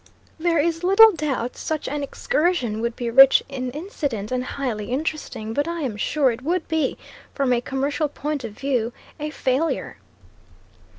There is little doubt such an excursion would be rich in incident and highly interesting, but I am sure it would be, from a commercial point of view, a failure.